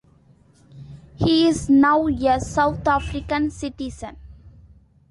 He is now a South African citizen.